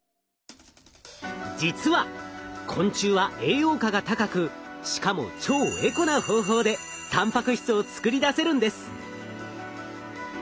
実は昆虫は栄養価が高くしかも超エコな方法でたんぱく質を作り出せるんです。